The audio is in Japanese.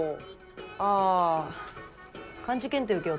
ああ漢字検定受けようと思って。